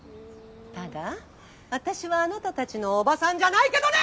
ただ私はあなたたちのオバサンじゃないけどねー！！